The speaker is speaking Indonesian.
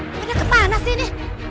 mana kemana sih ini